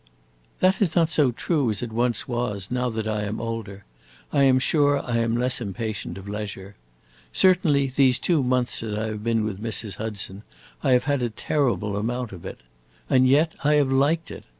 "That is not so true as it once was; now that I am older, I am sure I am less impatient of leisure. Certainly, these two months that I have been with Mrs. Hudson, I have had a terrible amount of it. And yet I have liked it!